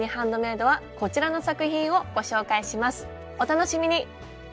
お楽しみに！